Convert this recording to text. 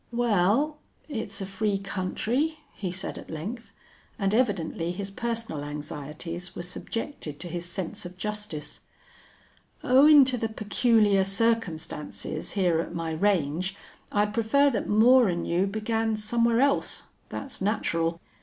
"Wal, it's a free country," he said at length, and evidently his personal anxieties were subjected to his sense of justice. "Owin' to the peculiar circumstances hyar at my range, I'd prefer thet Moore an' you began somewhar else. Thet's natural.